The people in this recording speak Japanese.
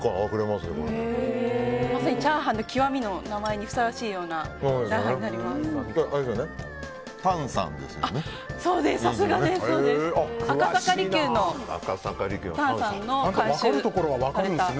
まさにチャーハンの極みの名前にふさわしいようなチャーハンになります。